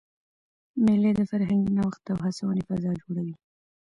مېلې د فرهنګي نوښت او هڅوني فضا جوړوي.